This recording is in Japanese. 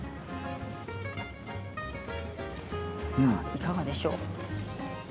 いかがでしょう？